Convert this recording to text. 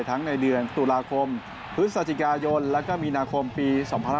ทั้งในเดือนธุราคมพฤษฐาจิกายนและก็มีนาคมปี๒๑๖๔